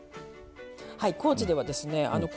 はい高知ではですね